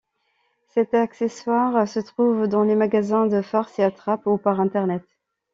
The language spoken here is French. Cet accessoire se trouve dans les magasins de farces et attrapes ou par Internet.